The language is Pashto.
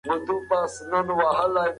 هر څېړونکی باید بې تعصبه وي.